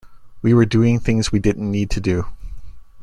We were doing things we didn't need to do.